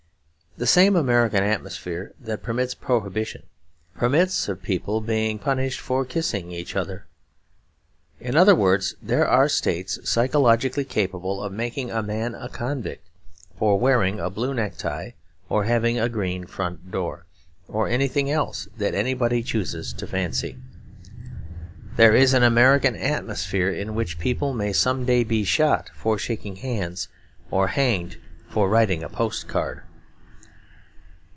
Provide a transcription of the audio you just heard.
The same American atmosphere that permits Prohibition permits of people being punished for kissing each other. In other words, there are States psychologically capable of making a man a convict for wearing a blue neck tie or having a green front door, or anything else that anybody chooses to fancy. There is an American atmosphere in which people may some day be shot for shaking hands, or hanged for writing a post card.